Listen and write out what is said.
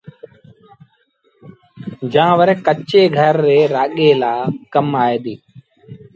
جآݩ وري ڪچي گھر ري رآڳي لآ ڪم آئي ديٚ